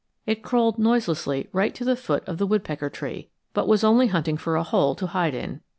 It crawled noiselessly right to the foot of the woodpecker tree, but was only hunting for a hole to hide in.